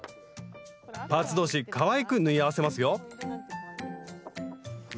パーツ同士かわいく縫い合わせますよ